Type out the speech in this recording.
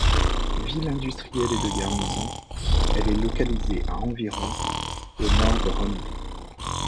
Ville industrielle et de garnison, elle est localisée à environ au nord de Ronneby.